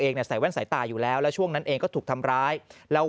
เนี่ยใส่แว่นสายตาอยู่แล้วแล้วช่วงนั้นเองก็ถูกทำร้ายแล้ว